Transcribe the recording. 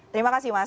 terima kasih mas